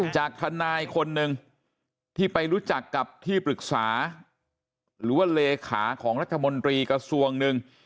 จากทนายคนหนึ่งที่ไปรู้จักกับที่ปรึกษาหรือว่าเลขาของรัฐมนตรีกระทรวงหนึ่ง